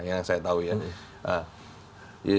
yang saya tahu ya